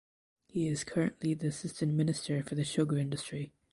He is currently the Assistant Minister for the Sugar Industry.